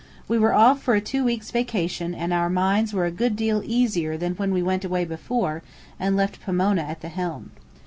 We were off for a two weeks' vacation and our minds were a good deal easier than when we went away before, and left Pomona at the helm.